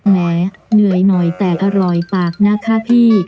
แม้เหนื่อยหน่อยแตกอร่อยปากนะคะพี่